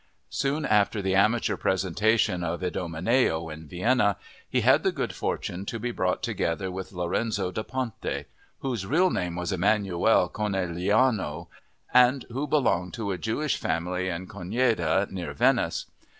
Soon after the amateur presentation of Idomeneo in Vienna he had the good fortune to be brought together with Lorenzo da Ponte, whose real name was Emmanuele Conegliano and who belonged to a Jewish family in Ceneda, near Venice.